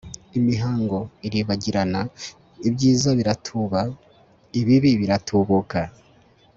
imihango iribagirana, ibyiza biratuba, ibibi biratubuka